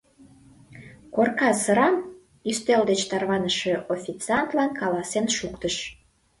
Корка сырам, — ӱстел деч тарваныше официантлан каласен шуктыш.